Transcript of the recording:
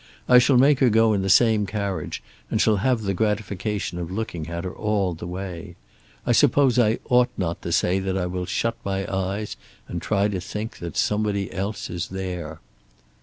I shall make her go in the same carriage and shall have the gratification of looking at her all the way. I suppose I ought not to say that I will shut my eyes and try to think that somebody else is there.